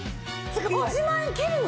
１万円切るの！？